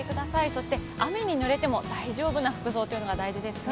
そして、雨にぬれても大丈夫な服装というのが大事ですね。